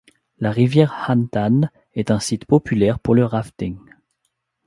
La rivière Hantan est un site populaire pour le rafting.